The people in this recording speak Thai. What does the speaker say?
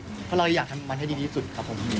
เพราะเราอยากทำมันให้ดีที่สุดครับผม